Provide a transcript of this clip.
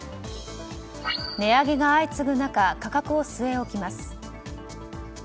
値上げが相次ぐ中価格を据え置きます。